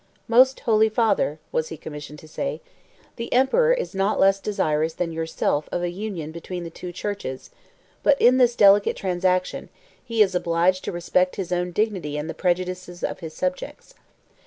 1 "Most holy father," was he commissioned to say, "the emperor is not less desirous than yourself of a union between the two churches: but in this delicate transaction, he is obliged to respect his own dignity and the prejudices of his subjects.